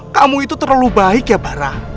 kamu itu terlalu baik ya barah